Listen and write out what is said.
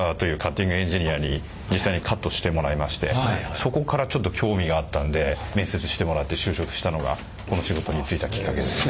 その時にそこからちょっと興味があったんで面接してもらって就職したのがこの仕事に就いたきっかけですね。